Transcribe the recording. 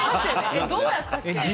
えっどうやったっけって。